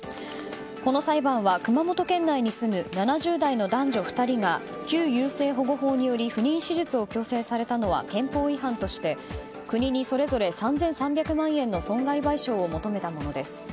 この裁判は熊本県内に住む７０代の男女２人が旧優生保護法により不妊手術を強制されたのは憲法違反として国にそれぞれ３３００万円の損害賠償を求めたものです。